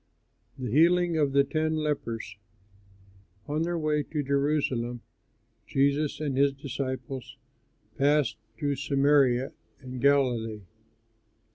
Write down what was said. THE HEALING OF THE TEN LEPERS On their way to Jerusalem, Jesus and his disciples passed through Samaria and Galilee.